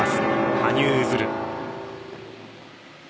羽生結弦。